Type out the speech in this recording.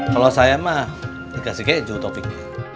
kalau saya mah dikasih kayak jutovic